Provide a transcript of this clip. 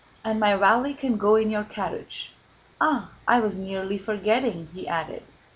And my valet can go in your carriage. Ah! I was nearly forgetting," he added.